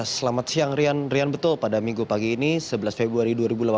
selamat siang rian rian betul pada minggu pagi ini sebelas februari dua ribu delapan belas